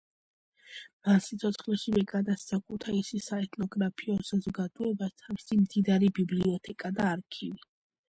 მან სიცოცხლეშივე გადასცა ქუთაისის საეთნოგრაფიო საზოგადოებას თავისი მდიდარი ბიბლიოთეკა და არქივი.